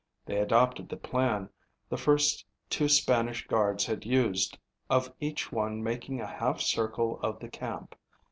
They adopted the plan the first two Spanish guards had used of each one making a half circle of the camp.